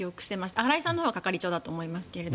新井さんのほうは係長だと思いますけど。